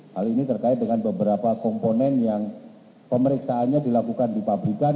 hal ini terkait dengan beberapa komponen yang pemeriksaannya dilakukan di pabrikan